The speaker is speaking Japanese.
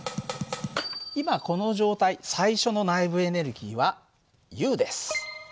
今この状態最初の内部エネルギーはＵです。